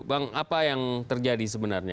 bang apa yang terjadi sebenarnya